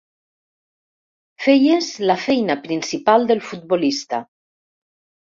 Feies la feina principal del futbolista.